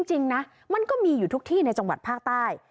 จริงนะมันก็มีอยู่ทุกที่ในจังหวัดภาคใต้